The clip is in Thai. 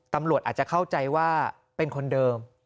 ตำรวจอาจจะเข้าใจว่าเป็นคนเดิม